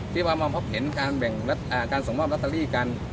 ที่มันเห็นว่าการส่งรัตตรีกัน